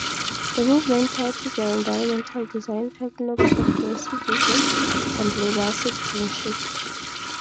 The movement tied together environmental design, techno-progressivism, and global citizenship.